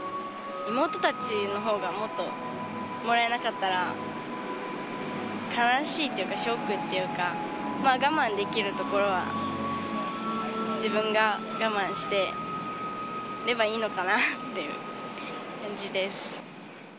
妹たちのほうがもっともらえなかったら、悲しいっていうか、ショックっていうか、我慢できるところは自分が我慢してればいいのかなっていう感じです。